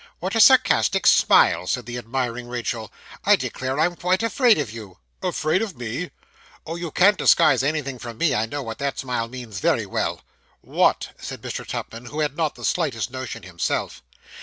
'What a sarcastic smile,' said the admiring Rachael; 'I declare I'm quite afraid of you.' 'Afraid of me!' 'Oh, you can't disguise anything from me I know what that smile means very well.' 'What?' said Mr. Tupman, who had not the slightest notion himself.